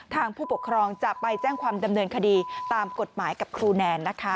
ผู้ปกครองจะไปแจ้งความดำเนินคดีตามกฎหมายกับครูแนนนะคะ